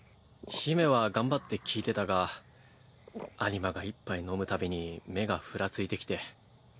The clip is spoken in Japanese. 姫は頑張って聞いてたがアニマが１杯飲む度に目がふらついてきて。